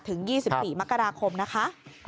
ถึง๒๔มกราคมนะคะ